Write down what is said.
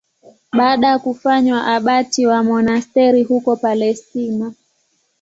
Baada ya kufanywa abati wa monasteri huko Palestina.